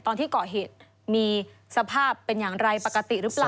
ตอนที่ก่อเหตุมีสภาพเป็นอย่างไรปกติหรือเปล่า